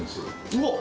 うわっ！